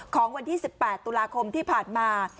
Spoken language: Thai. ของวันที่๑๘ตุลาคมที่ผ่านมา